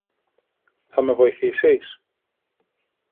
Θα με βοηθήσεις?